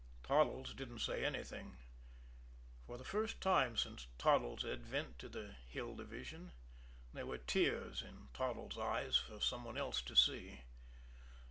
Toddles didn't say anything. For the first time since Toddles' advent to the Hill Division, there were tears in Toddles' eyes for some one else to see.